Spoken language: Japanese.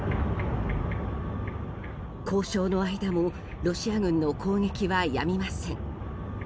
交渉の間もロシア軍の攻撃はやみません。